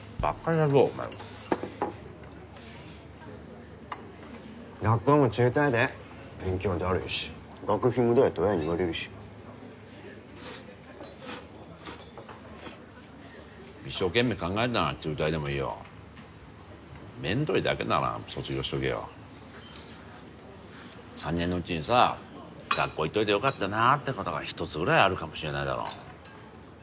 野郎お前は学校も中退でええ勉強はダルいし学費無駄やて親に言われるし一生懸命考えたなら中退でもいいよめんどいだけなら卒業しとけよ３年のうちにさ学校行っておいてよかったなーってことが一つぐらいあるかもしれないだろ